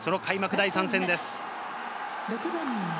第３戦です。